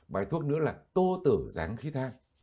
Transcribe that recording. bài thuốc nữa là tô tử dán khí thang